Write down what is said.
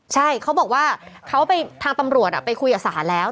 ใช่เขาบอกว่าเขาไปทางตำรวจไปคุยกับศาลแล้ว